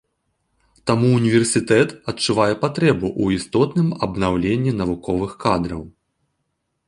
Таму універсітэт адчувае патрэбу ў істотным абнаўленні навуковых кадраў.